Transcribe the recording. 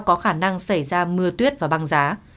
có khả năng xảy ra mưa tuyết và băng giá